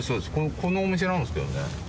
このお店なんですけどね。